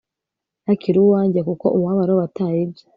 Ntakiri uwanjye kuko Umubabaro wataye ibye